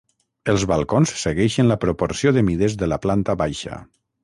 Els balcons segueixen la proporció de mides de la planta baixa.